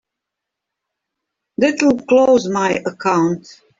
That'll close my account.